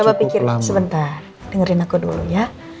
coba pikirin sebentar dengerin aku dulu ya